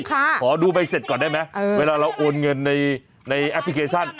ขอดูใบเสร็จก่อนได้ไหมเวลาเราโอนเงินในแอปพลิเคชัน